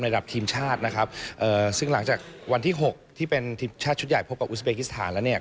ทีมชาตินะครับเอ่อซึ่งหลังจากวันที่หกที่เป็นทีมชาติชุดใหญ่พบกับอุสเบกิสถานแล้วเนี่ย